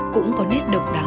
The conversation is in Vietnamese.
cũng có nét độc lập của chị mai